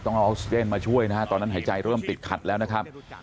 ต้องเอาออกซิเจนมาช่วยนะฮะตอนนั้นหายใจเริ่มติดขัดแล้วนะครับ